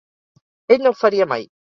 Ell no ho faria mai.